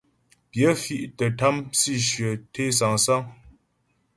Pyə fì̀' tə́ tâm sǐshyə té sâŋsáŋ.